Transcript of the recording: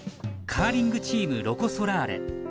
カーリングチームロコ・ソラーレ。